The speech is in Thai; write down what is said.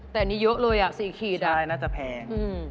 แต่อันนี้เยอะเลยอะสี่ขีดอะอืมใช่น่าจะแพง